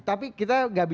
tapi kita gak bicara